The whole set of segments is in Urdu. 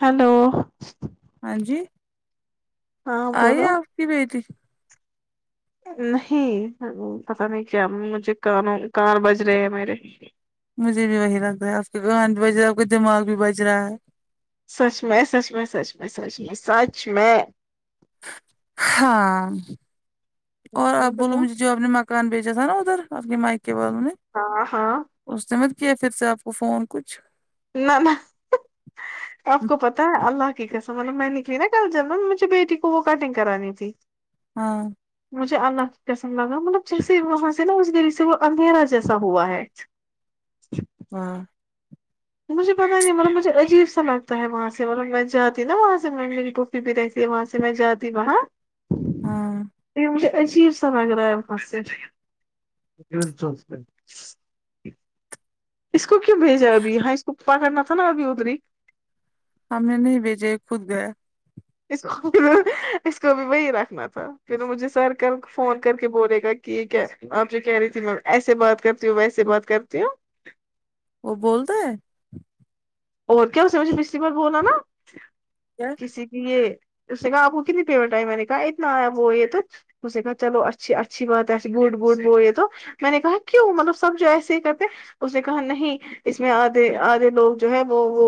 ہیلو ہاں جی ہاں آئی بولو آپ کی بیٹی نہیں پتا نہیں کیا مجھے کانوں کار بج رہے ہیں میرے مجھے بھی وہی لگ رہا ہے آپ کے گان بھی بج رہا ہے آپ کا دماغ بھی بج رہا ہے سچ میں سچ میں سچ میں سچ میں سچ میں ہاں اور آپ بولو مجھے جو اپ نے مکان بیچا تھا نا ادھر اپ کے مائکے والو نے ہاں ہاں اس نے مت کیا پھر سے آپ کو فون کچھ نہ نہ آپ کو پتا ہے اللہ کی قسم مطلب میں نکلی نا کل جانا مجھے بیٹی کو وہ کٹنگ کرانی تھی ہاں مجھے اللہ کی قسم لگا مطلب جیسے وہاں سے نا اس گری سے وہ اندھیرا جیسا ہوا ہے ہاں مجھے پتاہ نہیں مطلب مجھے عجیب سا لگتا ہے وہاں سے مطلب میں جاتی ہو نا وہاں سے میں م پھر پھر رہ ایسی لیے وہاں سے میں جاتی وہاں ہاں [unintelligible] یہ مجھے عجیب سمجھ رہا ہے اس کو کیوں بھیجا ہے ابھی ہاں اس کو پا کرنا تھا نا اب ادری ہم نے نہیں بھیجے یہ خود گیا ہے اس کو اس کو بھی وہی رکھنا تھا پھر مجھے سر کل فون کر کے بولے گا کی یہ آپ جو کہہ رہی تھی میں ایسے بات کرتی ہوں ویسے بات کرتی ہوں وہ بولتا ہیں اور کیا اسے مجھے پچھلی بار بولا نا کیا کسی یہ اس نے کہا آپ کو کتنی پیمٹ آئی میں نے کہا اتنا آیا وہ یہ تو اس نے کہا چلو اچھی اچھی بات ہے گوڈ گوڈ وہ یہ تو میں نے کہا کیوں مطلب سب جو ایسے ہی کرتے اس نے کہا نہیں اس میں آدھے آدھے لوگ جو ہے وہ وہ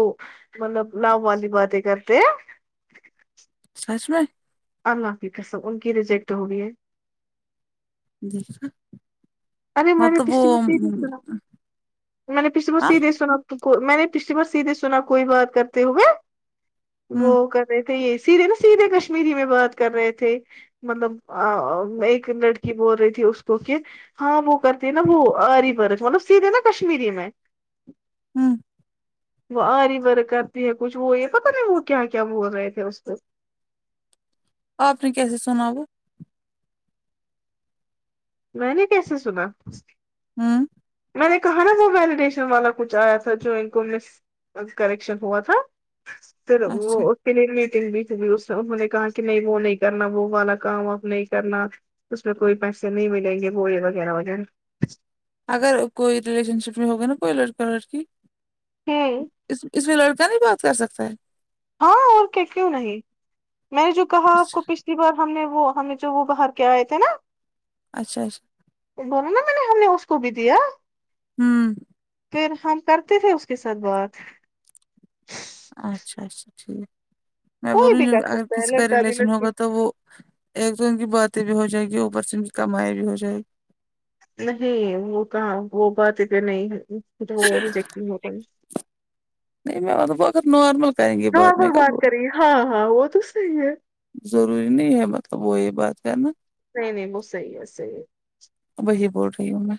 مطلب نام والی باتیں کرتے ہیں سچ میں اللہ کی قسم ان کی ریجیکٹ ہوگئی ہے [unintelligible] ارے میں نے مطلب وہ پچھ میں س دے سنا میں نے پچھے میں ہاں سید دے سنا تو میں نے پچھلی بار سیدھے سنا کوئی بات کرتے ہوئے وہ ہمم کر رہے تھے یہ اسی لیے نا سیدھے کشمیری میں بات کر رہے تھے مطلب ایک لڑکی بول رہی تھی اس کو کہ ہاں وہ کرتی ہیں نا وہ ہری برش مطلب سیدھے نا کشمیری میں ہوں وہ آری ورک کرتی ہے کچھ وہ یہ پتہ نہیں وہ کیا کیا بول رہے تھے اس پ آپ نے کیسے سنا وہ میں نے کیسے سنا ہمم میں نے کہا نا وہ ویلیڈیشر والا کچھ آیا تھا جو ان کو میں کریکشن ہوا تھا پھر اچھا وہ کی میٹنگ بھی تھی اس انہوں نے کہا کہ نہیں وہ نہیں کرنا وہ والا کام اپ نہیں کرنا اس میں کوئی پیسے نہیں ملیں گے وہ یہ وغیرہ وغیرہ اگر کوئی ریلیشن شپ میں ہوگا نا کوئی لڑکا لڑکی ہاں اس اس میں لڑکا نہیں بات کر سکتا ہے ہاں اور کیا کیوں نہیں میں نے جو کہا ہے آپ کو پ اسی بار ہم نے وہ ہمیں جو وہ باہر کے آئے تھے نا اچھا اچھ بولو نا میں نے ہم نے اس کو بھی دیا ہوں پھر ہم کرتے تھے اس کے ساتھ بات اچھا اچھا ٹھیک میں کوئی بولوں بھی کر اگر سکتا ہے کسی کا لڑکا بھی ریلیشن لڑکی ہوگا تو وہ ایک تو ان کی باتیں بھی ہو جائیں گی اوپر سے ان کی کمائی بھی ہو جائے نہیں وہ کہاں وہ بات اتنے نہیں ہے وہجیک نہیں ہو پایۓ نہیں مطلب اگر نارمل کریں گے میں نارمل بات کب کری ہاں ہاں وہ تو صحیح ہے ضروری نہیں ہے مطلب وہی بات کرنا نہیں نہیں وہ صحیح ہے صحیح ہے وہی بول رہی ہوں میں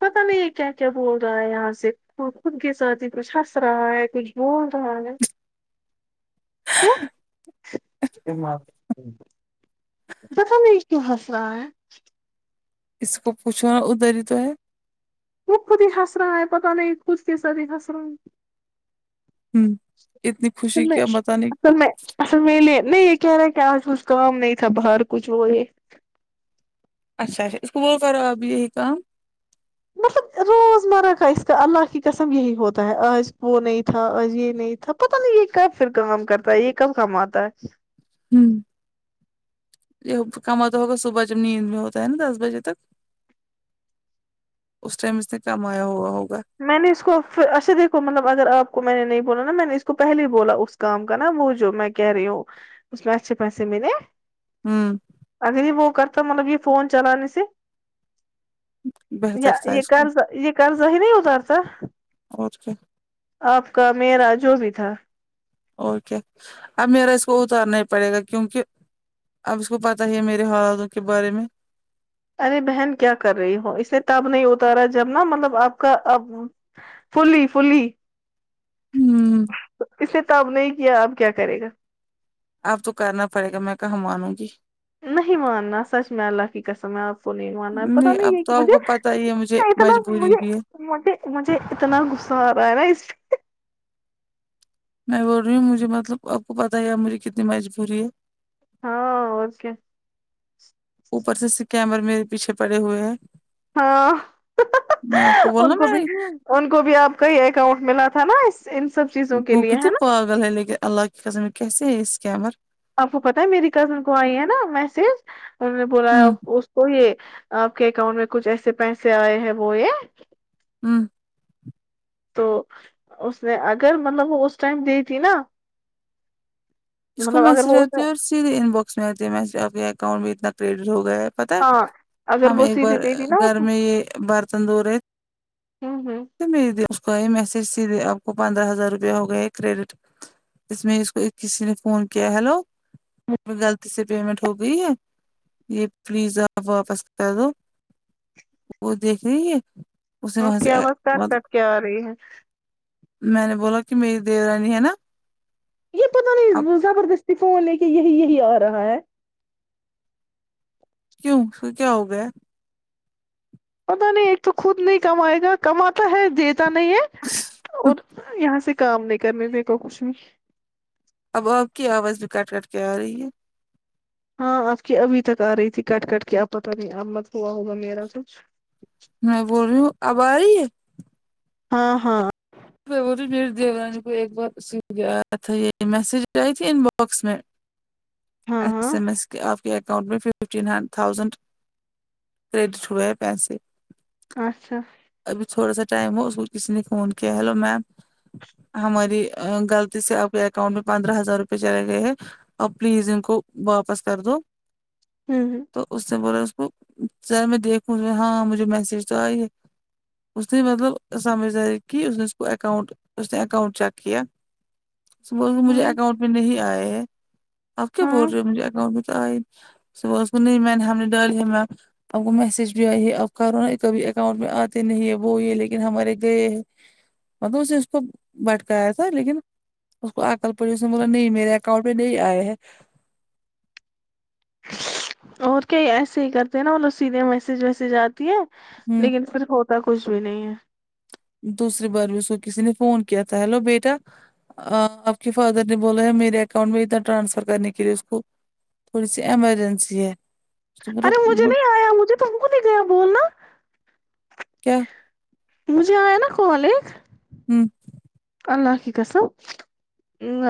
پتا نہیں یہ کیا کیا بول رہا ہے یہاں سے وہ خود کے ساتی کچھ ہس رہا ہے کچھ بول رہا ہے [unintelligible] پتہ نہیں کیوں ہنس رہا ہے اس کو پوچھو ادھر ہی تو ہے وہ خود ہی ہس رہا ہے پتا نہیں خود کی سد ہس رہا ہوں اتنی تم خوشی نے کیا بتا نہیں ہم نے اصل میں لیے نہیں یہ کہہ رہا کہ آج کچھ کام نہیں تھا باہر کچھ وہ یہ اچھا اس کو بولو کرو آپ یہی کام مطلب روزمرہ کا اس کا اللہ کی قسم یہی ہوتا ہے آج وہ نہیں تھا آج یہ نہیں تھا پتا نہیں یہ کب پھر کام کرتا ہے یہ کب کماتا ہے ہمم یہ کماتا ہوگا صبح جب نیند میں ہوتا ہے نا دس بجے تک اس ٹائم اس نے کام آیا ہوا ہوگا میں نے اس کو پ اچھا دیکھو مطلب اگر آپ کو میں نے نہیں بولا نا میں نے اس کو پہلے ہی بولا اس کام کا نا وہ جو میں کہہ رہی ہوں اس میں اچھے پیسے ملے ہوں اگرھی وہ کرتا مطلب یہ فون چلانے سے بہتر تھا یہ اس کو قرضہ یہ قرضہ ہی نہیں اترتا اور کیا اپ کا میرا جو بھی تھا اوکے اب میرا اس کو اتارنا ہی پڑے گا کیونکہ اب اس کو پتا ہے میرے حالاتوں کے بارے میں ارے بہن کیا کر رہی ہو اسے تب نہیں ہوتا رہا جب نا مطلب آپ کا اب فلی فلی ہوں اسے تب نے کیا اب کیا کرے گا اب تو کرنا پڑے گا میں کہاں مانوں گی نہیں ماننا سچ میں اللہ کی قسم ہے اپ کو نہیں گانا پتا نہیں اب یہ تو کہ آپ مجھے کو پتا ہی ہے مجھے اتنا مجبوری مجھے بھی ہے کے مجھے اتنا غصہ آ رہا ہے نا اس میں بول رہی ہوں مجھے مطلب آپ کو پتا ہے یار آپ میری کتنی مجبوری ہے ہاں اور کیا اوپر سے اسکیمر میرے پیچھے پڑے ہوئے ہیں ہاں میں آپ کو بولنا ان میں بھی ان کو بھی آپ کا ہی اکاؤنٹ ملا تھا نا اس ان سب چیز گوگی تو پاگل ہے اللہ کی خسم کیسے اس سکیمر آپ کو پتا ہے میری کزن کو آئی ہے نا میسج انہوں نے بولا ہوں تو یہ آپ کے اکاؤنٹ میں کچھ ایسے پیسے آئے ہیں وہ یہ ہوں تو اس نے اگر مطلب وہ اس ٹائم دی تھی نا اس کو مطلب اگر میسج وہ اس اتی نے ہے اور سیدھے ان باکس میں اتی ہے کے اکاؤنٹ بھی اتنا کریڈٹ ہو گیا ہے پتا ہاں ہے اگر ہم وہ ایک سیدھے بار دے دی نا گھر میں یہ برتن دھو رہے ہمم ہمم ماس کو یہ میسج سید دے اپ کو پندرہ ہزار روپیہ ہو گیا ہے کریڈٹ اس میں اس کو ایک کسی نے فون کیا ہیلو میر غلطی سے پیمنٹ ہو گئی ہے یہ پلیز اپ واپس کر دو وہ دیکھ رہیے آپکی آواز کٹ کٹ کے آرہی ہے میں نے بولا کہ میری دورانی ہے نا یہ پتا اب نہیں زبردستی فون لے کے یہی یہی آرہا ہے کیوں کیا ہو گیا پتا نہیں ایک تو خود نہیں کمائے گا کماتا ہے دیتا نہیں ہے اور یہاں سے کام نہیں کرنے دیگا کچھ بھی اب آپ کی آواز بھی کٹ کٹ کے آ رہی ہے ہاں آپ کی ابھی تک آ رہی تھی کٹ کٹ کے آپ پتہ نہیں آپ مت ہوا ہوگا میرا کچھ میں بول رہی ہوں اب آ رہی ہے ہاں ہاں ب رہ میری دیورانی کو ایک بار س گیا تھا یہ میسج آئی تھی ان باکس میں ہاں ایس ایم ہاں ایس کے آپ کے اکاؤنٹ میں ف ففٹی ناین تھاؤزینڈ کریڈٹ ہوے ہے پیسے اچھا ابھی تھوڑا سا ٹائم ہو اسمیں کسی نے فون کیا ہیلو میم ہماری غلطی سے آپ کے اکاؤنٹ میں پندرہ ہزار روپئے چلے گئے ہیں آاپ پلیز ان کو واپس کر دو ہوں ہوں تو اس سے بولا اس کو چا میں دیکھوں گی ہاں مجھے میسج تو ائی ہے اس نے مطلب سمجھ داری کی اس نے اس کو اکاؤنٹ اس نے اکاؤنٹ چیک کیا صبح سے مجھے ہوں اکاؤنٹ میں نہیں آئے ہیں آپ کیا ہاں بول رہے ہو مجھے اکاؤنٹ میں تو آئے صبح اس کو نہیں میں نے ہم نے ڈالی ہے میں آپ کو میسج بھی ائی ہے آپ کرو ن کبھی اکاؤنٹ میں اتے نہیں ہے وہ یہ لیکن ہمارے گئے ہیں مطلب اسے اس کو بھٹکایا تھا لیکن اس کو آ کر پہلے اس نے بولا نہیں میرے اکاؤنٹ میں نہیں آئے ہے اور کیا یہ ایسے ہی کرتے ہیں نا انھو سیدھے میسج ویسیج آتی ہے ہوں لیکن پھر ہوتا کچھ بھی نہیں ہے دوسری بار بھی اسکو کسی نے فون کیا تھا ہیلو بیٹا آں آپ کے فادر نے بولا ہے میرے اکاؤنٹ میں ادھر ٹرانسفر کرنے کے لیے اس کو تھوڑی سی ایمرجنسی ہے ارے مجھے مطلب نہیں ایا مجھے تم کو نہیں گیا بولنا کیا مجھے آیا نا کال ایک ہوں اللہ کی قسم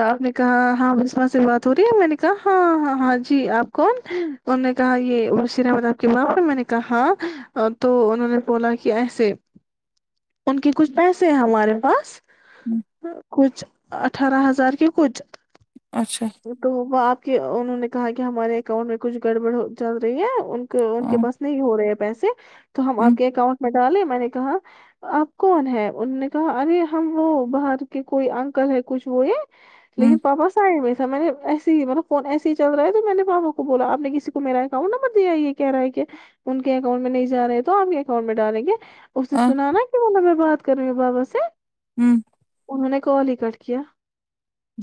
آپ نے کہا ہاں بسما سے بات ہو رہی ہے میں نے کہا ہاں ہاں ہاں جی آپ کون انہوں نے کہا یہ مشیر احمد اپ کے باپ ہیں میں نے کہا ہاں تو انہوں نے بولا کہ ایسے ان کے کچھ پیسے ہیں ہمارے پاس کچھ اٹھارہ ہزار کے کچھ اچھا تو وہ آپ کے انہوں نے کہا کہ ہمارے اکاؤنٹ میں کچھ گڑبڑ ہو چل رہی ہے کے ان کے ہوں پاس نہیں ہو رہے ہیں پیسے تو ہم آپ کے اکاؤنٹ میں ڈالے میں نے کہا آپ کون ہے انوں نے کہا ارے ہم وہ باہر کے کوئی انکل ہے کچھ وہ یہ لیکن ہوں پاپا سائڈ میں میں نے ایسے ہی مطلب فون ایسے ہی چل رہا ہے تو میں نے پاپا کو بولا آپ نے کسی کو میرا اکاؤنٹ نمبر دیا یہ کہہ رہا ہے کہ ان کے اکانٹ میں نہیں جا رہے تو اپ کے اکاؤٹ میں ڈالیں گے اس نے سنا نا کی با میں بات کر رہی ہوں بابا سے ہوں انہوں نے کال ہی کٹ کیا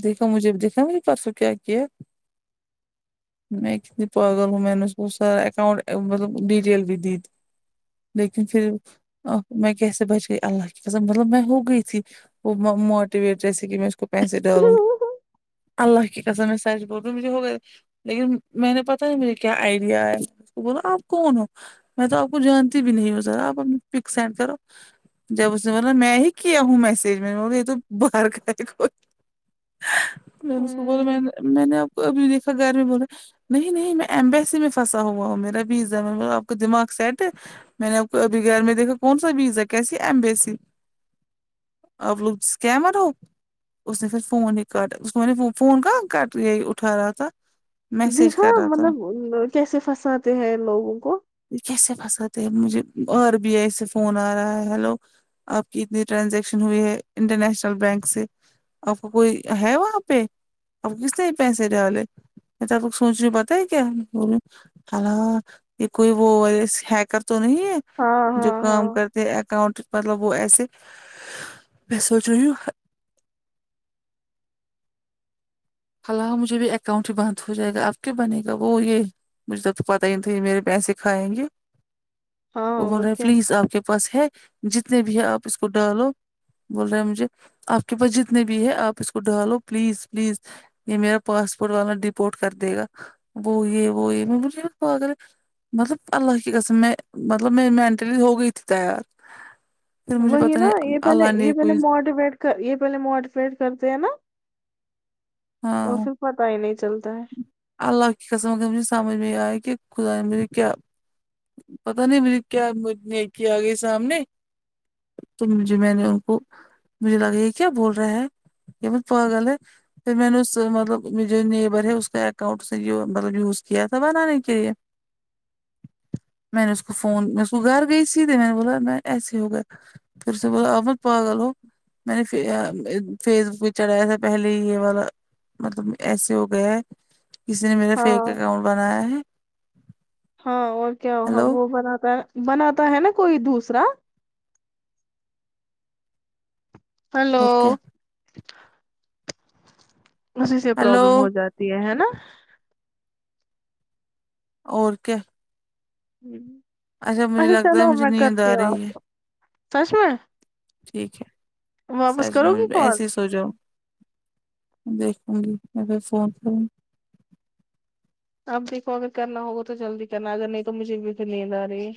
دیکھنا مجھے بھی دیکھنا مجھے پرسوں کیا کیا میں کتنی پاگل ہوں میں نے اس کو سارا اکاؤنٹ مطلب ڈیٹیل بھی دی تھی لیکن پھر ا میں کیسے بچ گئی اللہ کی قسم مطلب میں ہو گئی تھی وہ مو موٹیویٹ جیسے کہ میں اس کو پیسے ڈالوں اللہ کی قسم میں سچھ بول رہی ہوں مجھے ہو گئے لیکن میں نے پتا ہے میرے کیا ایڈیا آیا اسکو بولا آپ کون ہو میں تو اپ کو جانتی بھی نہیں ہوں سر آپ اپنی پک سینڈ کرو جب اس نے بولا میں ہی کیا ہوں میسج میں یہ تو باہر کا کوئی میں نے اس کو بولا میں ہوں نے میں نے آپ کو ابھی دیکھا گھر میں بولا نہیں نہیں میں ایمبیسی میں پھنسا ہوا ہوں میرا ویزا میں نے بولا آپ کا دماغ سیٹ ہے میں نے آپ کو ابھی گھر میں دیکھا کون سا ویزا کیسی ایمبیسی آپ لوگ اسکیمر ہو اس نے پھر فون ہی کاٹ اس فون کہاں کا یہی اٹھا رہا تھا میسج دیکھا کر رہا تھا مطلب کیسے پھنساتے ہیں ان لوگوں کو یہ کیسے پھنساتے مجھے آر بی آئی سے فون آ رہا ہے ہلو آپ کی اتنی ٹرانزیکشن ہوئی ہے انٹر نیشنل بینک سے آپ کوئی ہے وہاں پہ اب کس نے پیسے ڈالے میں تو تب سوچ رہی پتا ہے کیا بول یہ کوئی وہ اس ہیکر تو نہیں ہے ہاں جو ہاں کام ہاں کرتے ہیں اکاؤنٹ مطلب وہ ایسے میں سوچ رہی ہو مجھے بھی اکاؤنٹ ہی بند ہو جائے گا اب کیا بنے گا وہ یہ مجھے تو پتا ہی نہیں تھا یہ میرے پیسے کھائیں گے ہاں وہ بول اور رہے کیا پلیز اپ کے پاس ہے جتنے بھی ہے اپ اس کو ڈالو بول رہے ہیں مجھے اپ کے پاس جتنے بھی ہے اپ اس کو ڈالو پلیز پلیز یہ میرا پاسپورٹ والا ڈپورٹ کر دے گا وہ یہ وہ یہ میں بولی پاگل مطلب اللہ کی قسم میں مطلب میں مینٹلی ہوگئی تھی تیار پھر مجھے وہی پتا نا نہیں یہ پے نے اللہ یہ پے نے کوئی موڈیوٹ یہ پہلے موڈیفئڈ کرتے ہیں نا ہاں اور پھر پتا ہی نہیں چلتا ہے اللہ کی قسم کابھی سمجھ میں آئے کہ خدا م بریے کیا پتا نہیں میری کیا نیکی آ گئی سامنے تو مجھے میں نے ان کو مجھے لگا یہ کیا بول رہا ہے یہ مت پاگل ہے پھر میں نے اس مطلب جو نیبر ہے اس کا اکاؤنٹ اس نے مطلب یوز کیا تھا بنانے کے لیے میں نے اس کو فون اس کو گھر گئی سیدھے میں نے بولا میں ایسے ہوگا پھر اس نے بولا آپ پاگل ہو میں نے فیس بک پہ چڑھایا تھا پہلے ہی یہ والا مطلب ایسے ہو گیا ہے کسی نے میرا فیک ہاں اکاؤنٹ بنایا ہے ہاں اور کیا ہیلو وہ بناتا ہے بناتا ہے نا کوئی دوسرا ہلو اور کیا اسی سے ہیلو پرابلم ہو جاتی ہے نا اور کیا ہمم مجھے اچھا لگتا چلو ہے مجھے میں نیند کرتی آ ہوں آپ رہی ہے کو سچ میں ٹھیک ہے واپس سچ کرو گی میںجھ کال ایسے ہی سوجاؤ دیکھوگی میں پھر فون کروں اب دیکھو اگر کرنا ہوگا تو جلدی کرنا اگر نہیں تو مجھے بکھر نیند آ رہی ہے